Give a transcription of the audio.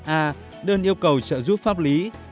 a đơn yêu cầu trợ giúp pháp lý